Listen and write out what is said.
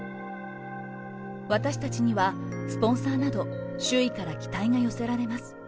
私たちにはスポンサーなど、周囲から期待が寄せられます。